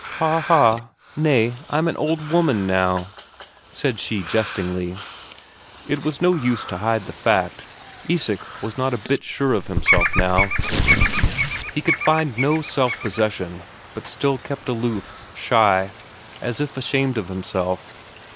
"Ha ha! Nay, I'm an old woman now," said she jestingly. It was no use trying to hide the fact: Isak was not a bit sure of himself now. He could find no self possession, but still kept aloof, shy, as if ashamed of himself.